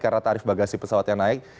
karena tarif bagasi pesawat yang naik